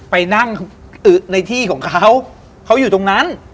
ไปนั่งในที่ของเขาเขาอยู่ตรงนั้น